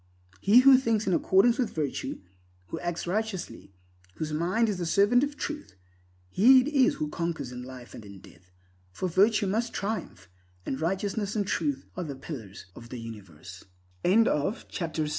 He who thinks in accordance with virtue, who acts righteously, whose mind is the servant of truth, he it is who conquers in life and in death. For virtue must triumph, and Righteousness and Truth are the pillars of the universe. 7. Calmness and Resource HE WHO HAS TRUTH is always self possess